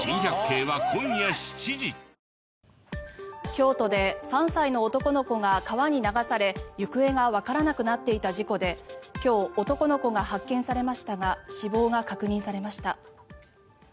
京都で３歳の男の子が川に流され行方がわからなくなっていた事故で今日、男の子が発見されましたが死亡が確認されました。